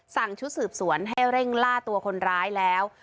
ชุดสืบสวนให้เร่งล่าตัวคนร้ายแล้ว